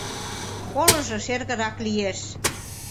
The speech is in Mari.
Колыжо шергырак лиеш...